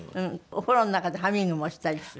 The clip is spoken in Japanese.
お風呂の中でハミングもしたりする？